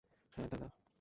হ্যাঁ, দাদা।